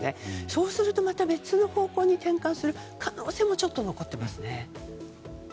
そうすると、また別の方向に転換する可能性も残っています。